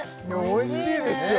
おいしいですよ